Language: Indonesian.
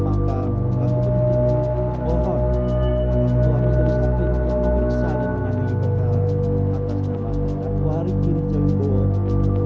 maka waktu kemudian bohon untuk ada sedikit yang memeriksa dengan lebih betul atas kata kata takwari diri jalibowo